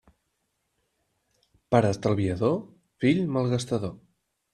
Pare estalviador: fill malgastador.